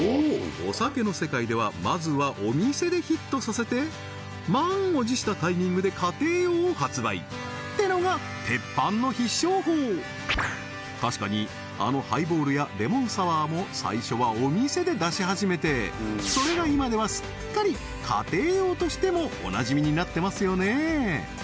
お酒の世界ではまずはお店でヒットさせて満を持したタイミングで家庭用を発売ってのがテッパンの必勝法確かにあのハイボールやレモンサワーも最初はお店で出し始めてそれが今ではすっかり家庭用としてもおなじみになってますよね